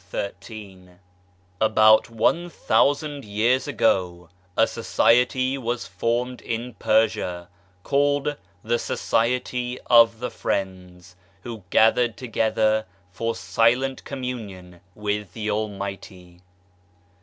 A BOUT one thousand years ago a Society was formed in Persia called the Society of the Friends, who gathered together for silent Communion with the Almighty.